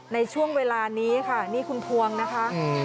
ในช่วงเวลานี้ค่ะนี่คุณพวงนะคะ